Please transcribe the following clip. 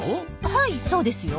はいそうですよ。